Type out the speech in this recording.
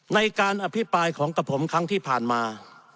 ในการอภิปรายของกับผมครั้งที่ผ่านมา